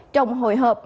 trong hồi hợp